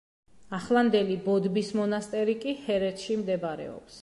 ახლანდელი ბოდბის მონასტერი კი ჰერეთში მდებარეობს.